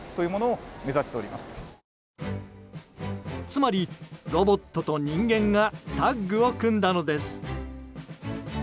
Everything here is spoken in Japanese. つまりロボットと人間がタッグを組んだのです。